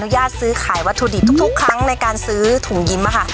ญาติซื้อขายวัตถุดิบทุกครั้งในการซื้อถุงยิ้มค่ะ